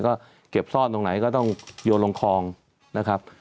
ก็เก็บซ่อนตรงไหนก็ต้องโยนลงคลองนะครับ